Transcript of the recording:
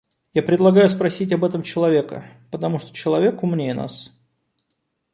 Я предлагаю спросить об этом человека, потому что человек умнее нас.